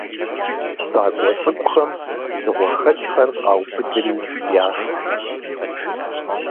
«ЩакӀуэ цӀыкӀухэм» дзыгъуэхэкӀхэр къаубыдри яшх.